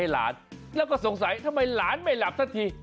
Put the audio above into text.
หลานแล้วก็สงสัยทำไมหลานไม่หลับสักที